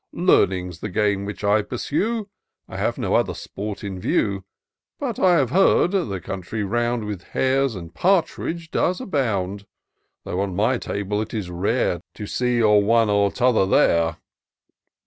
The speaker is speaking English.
Learning's the game which I pursue : I have no other sport in view : But I have heard — the country round With hares and partridge does abound ; Though on my table it is rare To see or one or t'other there.